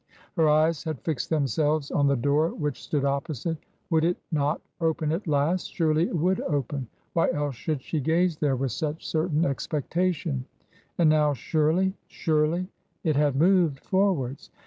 Her eyes had fixed themselves on the door which stood opposite. Would it not open at last ? Surely it would open. Why else should she gaze there with such certain expectation ? And now surely — surely — it had moved forwards.